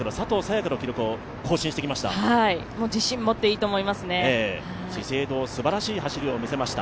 也伽の記録を更新してきました。